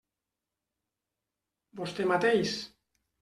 Vostè mateix.